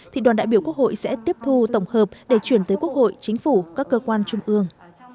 thì đoàn đại biểu quốc hội sẽ tiếp thu tổng hợp để chuyển tới quốc hội chính phủ các cơ quan trung ương